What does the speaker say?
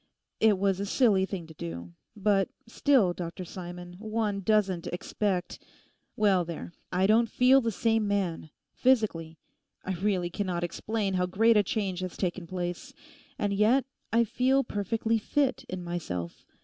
It was a silly thing to do. But still, Dr Simon, one doesn't expect—well, there, I don't feel the same man—physically. I really cannot explain how great a change has taken place. And yet I feel perfectly fit in myself.